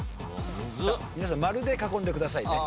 皆さん丸で囲んでくださいね。